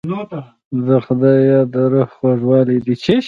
د خدای یاد د روح خوږوالی دی.